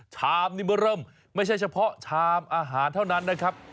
ชามนี้มาเริ่มไม่ใช่เฉพาะชามอาหารเท่านั้นนะครับ